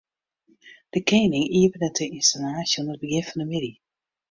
De kening iepenet de ynstallaasje oan it begjin fan de middei.